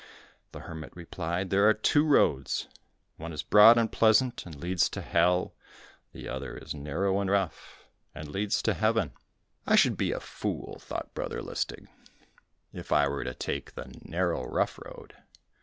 The hermit replied, "There are two roads, one is broad and pleasant, and leads to hell, the other is narrow and rough, and leads to heaven." "I should be a fool," thought Brother Lustig, "if I were to take the narrow, rough road."